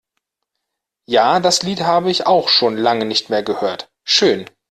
Ja, das Lied habe ich auch schon lange nicht mehr gehört. Schön!